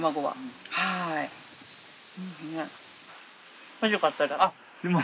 はい。